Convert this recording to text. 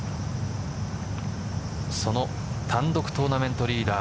その単独トーナメントリーダー